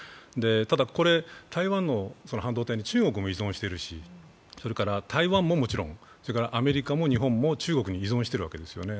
ただ、台湾の半導体に中国も依存しているし、それから台湾ももちろん、アメリカも日本も中国に依存しているわけですよね。